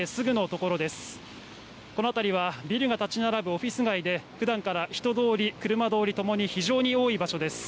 この辺りはビルが建ち並ぶオフィス街でふだんから人通り、車通りともに非常に多い場所です。